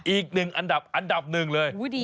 อีกหนึ่งอันดับอันดับ๑เลย